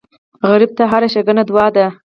غریب ته هره ښېګڼه دعا ده